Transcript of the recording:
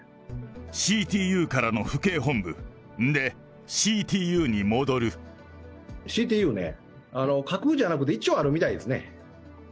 ＣＴＵからの府警本部、ＣＴＵね、架空じゃなくて一応あるみたいですね。